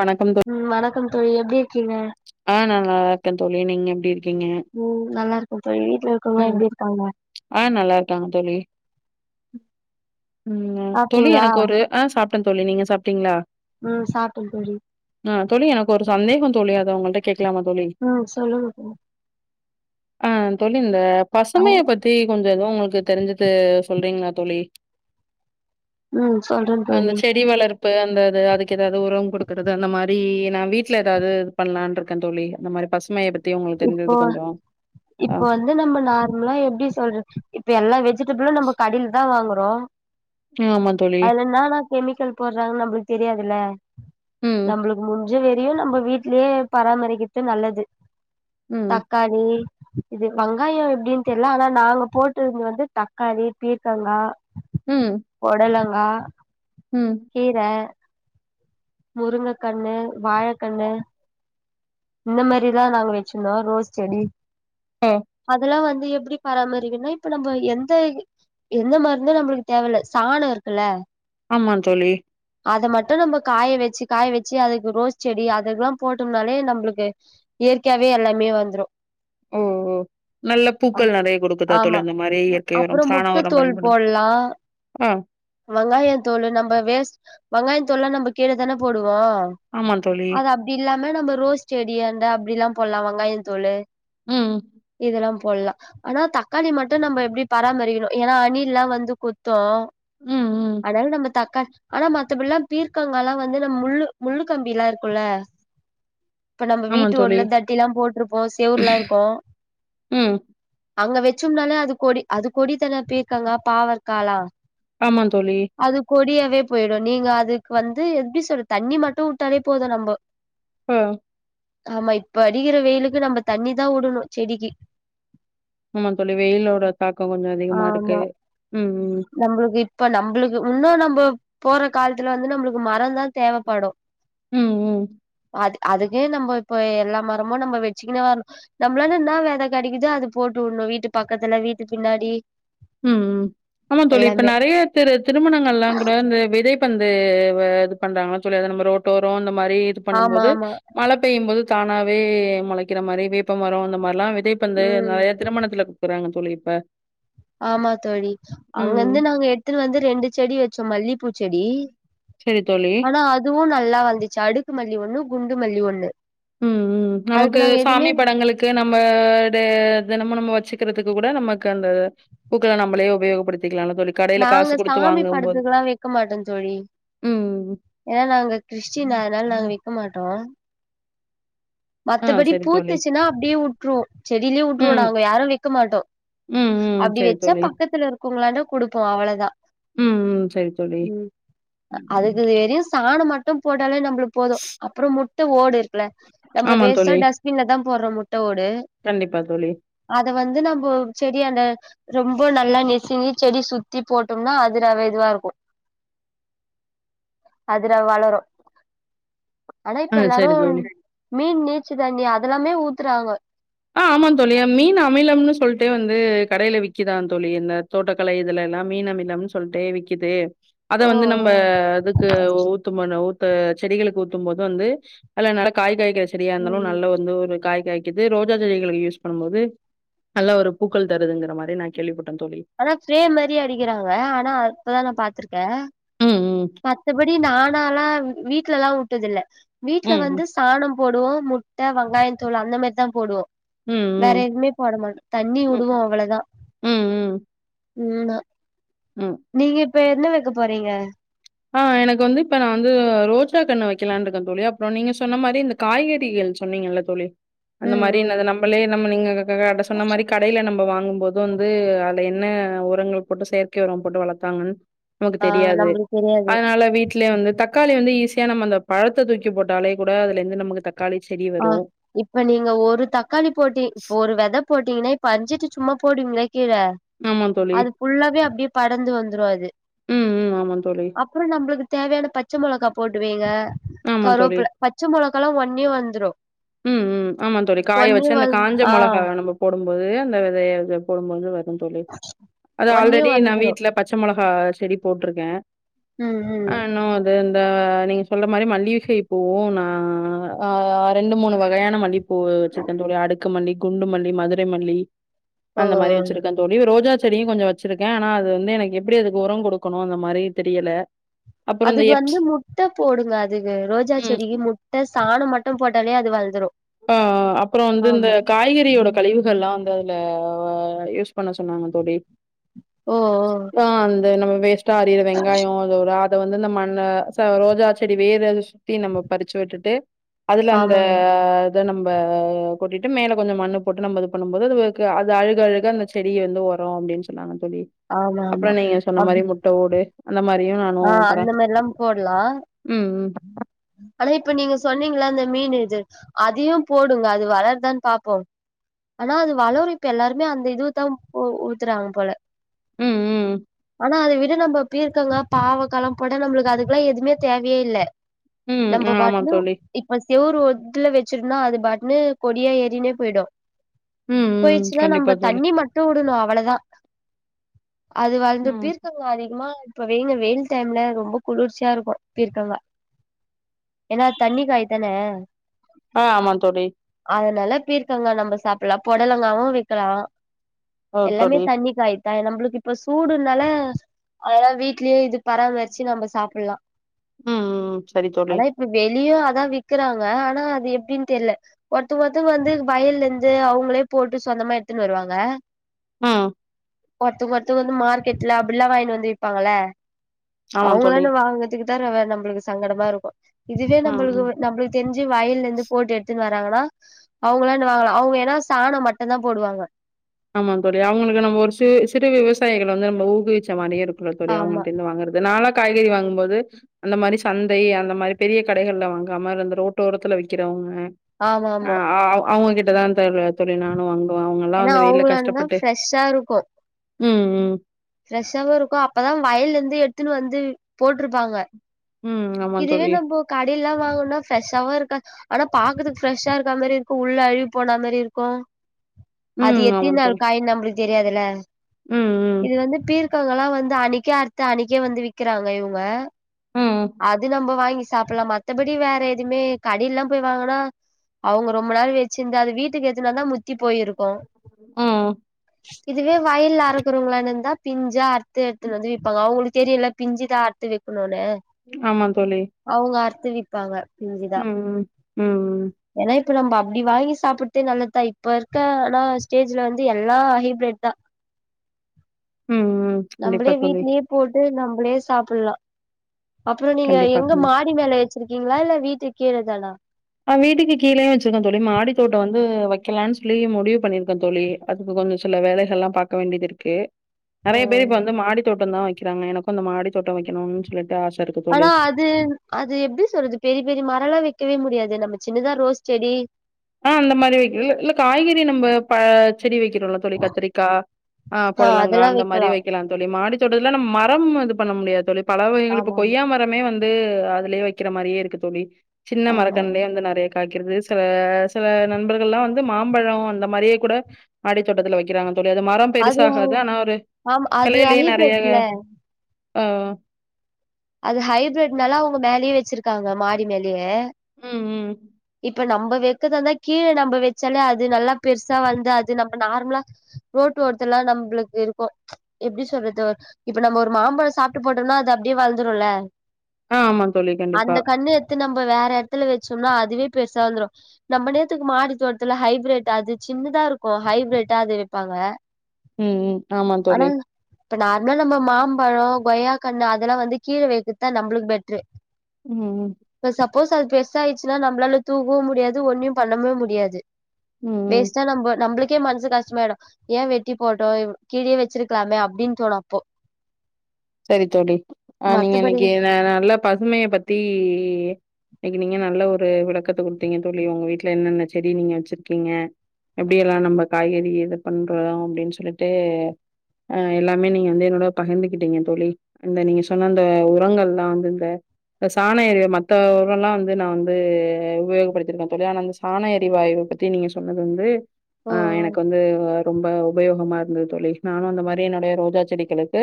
வணக்கம் தோ ம் வணக்கம் தோழி எப்டி இருக்கீங்க ஆ நா நல்லா இருக்கே தோழி நீங்க எப்டி இருக் ம் நல்லா இருக்க தோழி வீட்ல இருக்கவங்க ம் எப்டி இருக்காங்க ஆ நல்லா இருக்காங்க தோழி உம் ம் தோழி எனக்கு ஒரு ஆ சாப் ட்ட தோழி நீங்க சாப்ட்டீங்ளா ம் சாப்ட்டே தோழி ஆ தோழி எனக்கு ஒரு சந்தேக தோழி அது உங்களுக் ம் சொல்லுங்க தோழி ஆ தோழி இந்த ஆ பசுமைய பத்தி கொஞ்ஜோ எதுவு உங்ளுக்கு தெரிஞ்சது சொல்றீங்ளா தோழி ம் சொல்றே அந்த தோழி செடி வளர்ப்பு அந்தது அதுக்கு ஏதாவது உரம் கொடுக் றது அந்த மாரி நா வீட்ல எதாவது இது பண்ணலான்னு இருக்கே தோழி அந்த மாரி பசுமைய பத் இப்போ இப்ப வந்து நம்ம நார்ம்லா எப்டி சொல்றது இப்ப எல்லா வெஜ் வெஜிடபிள் நம்ம கடைல தா வாங்றோ ம் ஆமா தோழி கெமிக்கல் போட்றாங்ன்னு நம்ளுக்கு தெரியாதுல ம் நம்ளுக்கு முன் முடிஞ்சவரியு நம்ம வீட்லயே பராமரிக்றது நல்லது ம் தக்காளி இது வெங்காயோ எப்டின்னு தெரில ஆனா நாங்க போட்ருந்தது வந்து தக்காளி பீர்க்கங்கா ம் பொடலங்கா ம் கீர முருங்க கண்ணு வாழக்கண்ணு இந்த மாரிதா நாங்க வச்சிருந்தோ ரோஸ் செடி ஆ அதெல்லா வந் து எப்டி பராமரிக்னா இப்ப நம்ம எந்த எந்த மருந்து நம்ளுக்கு தேவ இல்ல சானோ இருக்குல்ல ஆமாந் தோழி அத மட்டு நம்ம காய வச்சு காய வச்சு அதுக்கு ரோஸ் செடி அதுக்குல்லா போட்டோம்னாலே நம்ளுக் எ இயற்கையாவே எல்லாமே வந்ரு ஓ ஓ நல்ல அ பூக்கள் நெறைய குடுக்குதா தோழி ஆமா அந்த மாரி இயற்கை உரம் அப்ரோ சாண முட்ட உரம் தோல் பயன்படும் போட்லா ஆ வெங்காய தோளு நம்ம வேஸ்ட் வெங்காய தோல்ல நம்ம கீழ தான போடுவோ ஆமா தோழி அது அப்டி இல்லாம நம்ம ரோஸ் செடியாண்ட அப்டிலா போட்லா வெங்காய தோளு ம் இதெல்லா போட்லா ஆனா தக்காளி மட்டு நம்ம எப்டி பராமரிக்கணு ஏனா அணில்லா வந்து குத்து ம் ம் ஆனாலு நம்ம தக்காளி ஆனா மத்தபட்லா பீர்க்கங்க ல்லா வந்து நம்ம முள் முள்ளு கம்பில்லா இருக்குல இப்ப நம்ம ஆமா வீட்டு தோழி ஓட்ல தட்டிலா போட்ருப்போம் செவுர்லாம் இருக்கோம். ம் அங்க வச்சோம்னாலே அது கொடி அது கொடித்தா பீர்க்கங்கா பாவகாலா. ஆமாந் தோழி வே போயிடும் நீங்க அதுக் வந்து எப்டி சொல் தண்ணி மட்டும் வுட்டாலே போதும் நம்ப ஆ ஆமா இப்ப அடிகிற வெயிலுக்கு நம்ப தண்ணி தான் வுடணும் செடிக்கி. ஆமா தோழி வெயிலோட தாக்கம் கொஞ்சொ அதிகமா இருக்கு. ம் ம் நம்ளுக்கு இப்ப நம்ளுக்கு உன்னும் நம்ப போற காலத்ல வந்து நம்ளுக்கு மரதான் தேவபடும். ம் ம் அதுக்கே நம்ப இப்ப எல்லா மரமும் நம்ப வச்க்கினே வர நம்பளால என்ன வெத கிடக்கிதோ அது போட்டு வுடனு ம் வீட்டு பக்கத்துல, வீட்டு பின்னாடி ம் ஆமா தோழி இப்ப எல்லாமே நெறைய பேரு திருமணங்லாம் கூட இந்த விதை வந்து வ இது பண்றாங்கள சொல்லி நம்ம ரோட்டோரம் இந்த மாரி இது பண்ணும் ஆமா போது ஆமா மழ பெய்யும் போது தானாவே முளைக்கிற மாரி வேப்ப மரம் அந்த மாரிலாம் விதைப் பந்து ம் நெறய திருமணத்துல குக்குறாங்க தோழி இப்ப ஆமா தோழி ம் அங்கந்து நாங்க எத்ட்டு வந்து ரெண்டு செடி வச்சோம் மல்லிப்பூ செடி. சரி தோழி. ஆனா அதுவு நல்லா வந்துச் அடுக் மல்லி ஒண்ணு குண்டு மல்லி ஒண்ணு. ம் ம் அதுக்கு நமக்கு நாங்க எதுமே சுவாமி படங்களுக்கு நம்ப தெ தெனமும் நம்ப வச்சுக்கற துக்கு கூட நமக்கு அந்த பூக்கள நம்பளே உபயோகபடு நாங்க சாமி படத்துகெலா வெக்க மாட்டோம் தோழி. ம். ஏனா நாங்க கிறிஸ்டின் அதனால நாங்க வெக்க மாட்டோம். ஆ மத்தபடி சரி தோழி. பூத்துச்சுன்னா அப்டியே வுட்ருவோ செடிலேயே வுட்ருவோ ம் நாங்க யாரு வெக்க மாட்டோம். ம் ம் அப்டி சரி வெச்சா தோழி. பக்கத்துல இருக்கவுங்களான்ட குடுப்போம் அவ்வளதான் ம் ம் சரி தோழி. ம் அதுக்கு வெறும் சாண மட் டும் போட்டாலே நம்ளுக்கு போதும் அப்றம் முட்ட ஓடு இருக்ல நம்ப ஆமா வேஸ்ட்டா தோழி. டஸ்பின்லதா போடுறோ மு கண்டிப்பா தோழி. அத வந்து நம்போ செடிய அந்த ரொம்ப நல்லா நெசினி செடி சுத்தி போட்டோம்னா அது ரவ இதுவா இருக்கு. அதுல வளரு ஆன ஆ இப்ப சரி எல்லாரும் தோழி. மீன் நீச்ச தண்ணி அதெல்லாமே ஊத்துறாங்க ஆ ஆமாந் தோழி மீன் அமிலம்னு சொல்ட்டே வந்து கடைல விக்குதாந் தோழி இந்த தோட்டகலை இதுல லா மீன் அமிலம்ன் சொல்டே விக்கிது அத ஓ வந்து ஓ நம்ப இதுக்கு ஊத்துமனு ஊ க்கு செடிகளுக்கு ஊத்தும் போது வந்து அல நல்லா காய் காய்க்கிற செடியாந்தாலு ம் நல்லா வந்து ஒரு காய் காய்க்குது ரோஜா செடிகளுகு யூஸ் பண்ணும் போது நல்ல ஒரு பூக்கள் தருதுங்கற மாரி நா கேள்விப ஆனா ஸ்பிரே மாரியே அடிகிறாங்க ஆனா அப்பதா நா பாத்திருக்கே ம் ம் தி நானல்லா வ் வீட்லல்லா உட்டதில்ல வீட்ல ம், வந்து ம். சாணம் போடுவோ முட்ட வெங்காயந் தோலு அந்த மாரிதா போடுவோ ம், வேற ம். எதுமே போட மாட் தண்ணி உடுவோ அவ்ளதா ம், ம். ம்மா ம். நீங்க இப்ப என்ன வெக்க போறீங்க ஆ எனக்கு வந்து இப்ப நா வந்து ரோஜா கண்ணு வெக்கலான் இருக்க தோழி அப்றோ நீங்க சொன்ன மாரி இந்த காய்கறிக ள் சொன்னிங்கள்ல தோழி அந்த ம் மாரி ம் நிது நம்பளே நம் நீங்க க க கட சொன்ன மாரி கடயில நம்ப வா ணும் போது வந்து அட என்ன உரங்கள் போட்டு செயற்கை உரம் போட்டு வளத்தாங்கன் நமக்கு ஆ தெரியாது நம்பளுக்கு தெரியாது ட்லியே வந்து தக்காளி வந்து ஈஸியா நம்ப அந்த பழத்த தூக்கி போட்டாலே கூட அதுலந்து நமக்கு த அ இப்ப நீங்க ஒரு தக்காளி போட்டி இப்ப ஒரு வெத போட்டீங்கனே இப்ப அஞ்சுட்டு சும்மா போடுவிங்ளே கீழ ஆமா தோழி அது ஃபுல்லாவே அப்டியே படந்து வந்துரு அது ம் ம் ஆமா தோழி அப்புறோ நம்புளுக்கு தேவயான பச்ச மொளகா போட்டுவீங்க ஆமா தோழி கருவேப்புல பச்ச மொளகால்லா ஒன்னியே வந் ம் ம் ஆமா தோழி காய ஒன்னே வெச்சு அந்த வந் காஞ்ச ஆ மொளகாவ நம்ம போடம் போது அந்த வெதய அதுல போடும்போது வருந் தோழி அது ஒன்னே ஆல்ரெடி நா வந்துரு வீட்ல பச்ச மொள அ செடி போட்ருக்கே ம் ம் அ இனு அது த நீங்க சொல்ற மாரி மல்லிக செயி பூவு நா அ ரெண்டு மூணு வகையான மல்லி பூ வெச்சுருக்கே தோழி அடுக்கு மல்லி குண்டு மல்லி மதுரை மல்லி ஓ அந்த மாரி வெச்சுருக்கே தோழி ரோஜாச் செடியு கொஞ்சோ வெச்சுருக்கே ஆனா அது வந்து எனக்கு எப்பிடி அதுக்கு உரோ குடுக்கணு அந்த மாரி தெரியல அப்புறம் இந்த அதுக்கு எப்ஸ் வந்து முட்ட போடுங்க அதுக்கு ரோஜா ம். செடிகி முட்ட சாணம் ம ட்டும் போட்டாலே அது வள்ந்துரு அ அ அப்புறோ வந்து இந்த காய்கறியோட கழிவுகள்லா வந்து அதுல அ யூஸ் பண்ண சொன்னாங்க தோழி ஓ ஓ அ அந்த நம்ம வேஸ் ட்டா அரியிற வெங்காயோ அத ஒரு அ த வந்து இந்த மண்ண ச ரோஜா செடி வேர அதுல சுத்தி நம்ம பறிச்சு விட்டுட்டு அதுல அந்த ஆமாமா த நம்ப கொட்டிட்டு மேல கொஞ்சோ மண்ணு போட்டு நம்ப இது பண்ணம் போது அதுவு க்கு அது அழுக அழுக அந்த செடிய வந்து ஒ ரோ அப்டின் சொன்னாங்க தோழி ஆமா அப்புறோ ஆமா நீங்க சொன்ன மாரி முட்ட ஓடு அந்த மாரியு நானு அ பரா அந்த மாரில்லா போட்லா ம் அதா இப்ப நீங்க சொன்னீங்கள்ல அந்த மீன் இது அதயு போடுங்க அது வளருதான் பாப்போ ஆனா அது வளரு இப்ப எல்லாருமே அந்த இதுத்தா ம்பு ஊத்துறாங்க போல ம் ம் னா அத விட நம்ப பீர்க்கங்கா பாவக்கா எல்லா போடா நம்மளுக்கு அதுக்குலா எதுமே தேவயே இல்ல ம் நம்ப ம் ஆமா பாட்லு தோழி இப்ப ஸ் செவுறு ஒத்துல வெச்சிருன்னா அது பாட்னு கொடியா ஏறினே போய்டு ம் ம் போய்ர்ச்சுனா நம்ப கண்டிப்பா தோழி தண்ணி மட்டு உடுணு அவளதா அது வளந்து ம் பீர்க்கங்கா அதிகமா இப்ப வெய்ங்க வெயில் டைம்ல ரொம்போ குளிர்ச்சியா இருக்கு பீர்க்கங்கா எனா அது தண்ணி காய் தான ஆ ஆமா தோழி அதனால பீர்க்கங்கா நம்ம சாப்ட்லா பொடலங்காவு வக்கலா ஓ எல்லாமே தோழி தண்ணி காய் த நம்பளுக்கு இப்ப சூடுனால அதுனால வீட்லயே இது பராமருச்சு நம்ப சாப்ட்லா. ம் ம் சரி தோழி ஆனா இப்ப வெளியவு அ தா விக்குறாங்கஆனா அது எப்டின் தெர்ல ஒர்த்த ஒர்த்தவுங் வந்து வயல்ல இருந்து அவுங்ளே போட்டு சொ அந்த மாரி எத்துன்னு வருவாங்க. ம் ஒர்த்தவுங் ஒர்த்தவுக வந்து மார்க்கெட்ல அப்பிடிலா வாங்கிட்டு வந்து விப்பாங்கல ஆமா தோழி அவுங்களான்ட வாங்குறதுக்கு தா வே நம்பளுக்கு சங்கடமா இருக்கு இதுவே ம் ம் நம்பளுக்கு நம்பளுக்கு தெர்ஞ்சு வயில்ல இருந்து போட்டு எடுத்துன்னு வர ராங்கனா அவுங்ளா [unintelligible] அவுங்க ஏனா சாண மட்டுந்தா போடுவாங்க. ஆமா தோழி அவுங்களுக்கு நம்ம ஒரு சி சிறு விவசாயிகள வந்து நம்ம ஊக்குவிச்ச மாரியே இருக் தோழி ஆமா அவ்ங்கள்ட்ட இருந்து வாங்குறது நாளா காய்கறி வாங்கும்போது அந்த மாரி சந்தை அந்த மாரி பெரிய கடைகள்ல வாங்காம அந்த ரோட்டோரத்துல விக்கெறவுங்க ஆமா ஆ ஆமா அ அவுங்ககிட்டதா த தோழி நானு வாங்குவ அவங்க எல்லா வந்து வீட்ல கூலா இருந்தா ப்ஃரெஷ்ஷா இருக்கு ம் ம் ஃப்ரெஷ்ஷாவு இருக்கு அப்பதா வயல்ல இருந்து எடுத்துன்னு வந்து போட்ருப்பாங்க ம். ஆமா இதுவே தோழி. நம்போ கடெல்லா வாங்குனா ஃப்ரெஷ்ஷாவு இருக்கா ஆனா பாக்குதுக்கு ஃப்ரெஷ்ஷா இருக்க மாரி இருக்கு உள்ள அழுகி போனா மாரி இருக்கு அது ம். ஆமா எத்தின் நாள் தோழி. காய்னு நம்பளுக்கு தெரியாதுல ம், ம். இது வந்து பீர் க இங்கல்லா வந்து அணிக்கே அறுத்து அணிக்கே வந்து விக்கிறாங்க இவுங்க ம் ம் அது நம்ப வாங்கி சாப்டலா மத்தபடி வேற எதுமே கடைல்லா போய் வாங்குனா அவுங்க ரொம்ப நாள் வச்சிருந்து அது வீட்டுக்கு இதுநாந்தா முத்தி போயிருக்கு ம். இதுவே கைல அருக்கறவங்களந்தா பிஞ்சா அத்து எடுத்து வந்து விப்பாங்க அவுங்களுக்கு தெரில பிஞ்சிதா அத்து வக்கணுனு ஆமா தோழி த்துவிப்பாங்க ம் ம் ம் ம் ப்ப நம்ப அப்டி வாங்கி சாப்பிட்டு நல்லதா இப்ப இருக்க ஆனா ஸ்டேஜ்ல வந்து எல்லா ஹைபிரிட் தா ம், ம். கண்டிப்பா நம்பளே தோழி. வீட்லயே போட்டு நம்பளே சாப்லா அப்புற நீங்க கண்டிப்பா, எங்க கண்டிப்பா. மாடி மேல வச்சுருக்கீங்ளா இல்ல வீட்டு கீழதானா ஆ வீட்டுக்கு கீழேயே வச்சிருக்கோ தோழி மாடி தோட்ட வந்து வக்கலானு சொல்லி முடிவு பண்ணியிருக்கோ தோழி அதுக்கு கொஞ்ச சில வேலைகள் எல்லா பாக்க வேண்டிது இருக்கு நெறய ஓ பேரு இப்ப வந்து மாடி தோட்டந்தா வக்கிறாங்க எனக்கு அந்த மாடி தோட்ட வக்கணுனு சொல்லிட்டு ஆச ஆனா அது அது எப்டி சொல்றது பெரிய பெரிய மரலா வக்கவே முடியாது து நம்ம சின்னதா ரோஸ் செடி ஆ அந்த மாரி வக் இல் இல்ல காய்கறி நம்ப ப செடி வக்கிறோல தோழி கத்திரிக்கா அ ஆ பொடலங்கா அதெல்லா அந்த மாரி வைக்கலா வக்கலா தோழி மாடித்தோட்ட ல நம் மரம் வந்து பண்ண முடியாது தோழி பல வகைகள் இப்ப ஆமாமா கொய்யா மரமே வந் து அதுலயே வக்கிற மாரியே இருக்கு தோழி சின்ன ஆமாமா மரக்கன்லயே வந்து நெறய காய்க்கிறது சி சில நண்பர்கள்லா வந்து மாம்பழ அந்த மாரியே கூட மாடி தோட்டத்துல வக்கிறாங்க தோழி அது மரம் அது பெருசாகாது ஆனா ஒரு ஆமா அது கிளையிலயே நெறய ஹைபிரிட்ல ஆ அது ஹைபிரிட்னால அவுங்க மேலயே வச்சிருக்காங்க மாடி மேலயே ம் ம் இப்ப நம்ம வைக்கதந்தா கீழே நம்ம வச்சாலே அது நல்லா பெருசா வந்து அது நம்ம நார்மலி ரோட் நம்மளுக்கு இருக்கும் எப்படி சொல்றது இப்ப நம்ம ஒரு மாம்பழம் சாப்பிட்டு போட்டோம்னா அது அப்படியே வளர்ந்து ல ஆ ஆமா தோழி கண்டிப்பா அந்த கண்ணு எடுத்து நம் ப வேற இடத்துல வச்சோம்னா அதுவே பெருசா வந்துரும் நம்ம நேத்துக்கு மாடி தோட்டத்தில ஹைப்ரேட் அது சின்னத இருக்கும் ஹைபிரிட்டா அது வைப்பாங்க ம் ம் ஆமா ஆனா தோழி இப்ப நார்மலா நம்ம மாம்பழம் கொய்யா கண்ணு அதெல்லாம் வந்து கீழ வைக்கதான் நம்மளுக்கு பெட்ரு ம் ம் இப்ப சப்போஸ் அது பெருசா ஆயிச்சுன்னா நம்மளால தூக்கவும் முடியாது ஒண்ணும் பண்ணவே முடியாது ம் ம் வேஸ்ட்டா நம்ப நம்ம நமக்கே மனசு கஷ்டமாயிடும் ஏன் வெட்டி போட்டோ கீழே வச்சிருக்கலாமே அப்டின்னு தோணு அப்போ செரி தோழி ஆஹ் நீங்க மத்தபடி இன்னைக்கு நல்ல பசுமைய பத்தி நீங்க நல்ல ஒரு விளக்கத்தை குடுத்தீங்க தோழி உங்க வீட்டுல என்னென்ன செடி நீங்க வச்சிருக்கீங்க எப்டில்லாம் நம்ம காய்கறி இது பண்றோம் அப்டின்னு சொல்லிட்டு ஆஹ் எல்லாமே நீங்க வந்து என்னோட பகிர்ந்துகிட்டீங்க தோழி இந்த நீங்க சொன்ன அந்த உரங்கள் தான் வந்து இந்த சாண எரி மத்த உரம்லாம் வந்து நான் வந்து உபயோகப்படுத்திருக்கேன் தோழி ஆனா அந்த சாண எரிவாய்வு பத்தி நீங்க சொன்னது வந்து ஆஹ் ம் எனக்கு வந்து ரொம்ப உபயோகமா இரு தோழி நானும் அந்த மாதிரி என்னனுடைய ரோஜா செடிகளுக்கு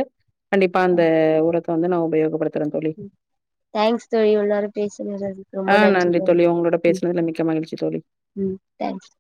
கண்டிப்ப அந்த உரத்த வந்து நான் உபயோகப்படு வைக்கிறேன் தோழி ம் தேங்க்ஸ் தோழி இவ்வளவு நேரம் பேசினதுக்கு ஆ ரொம்ப நன்றி உங்களோட தோழி பேசுனதுல மிக்க மகிழ்ச்சி தோழி. ம் தேங்க்ஸ்